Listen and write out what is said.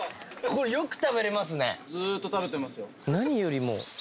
よく食べれますね。